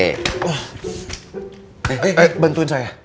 eh eh eh bantuin saya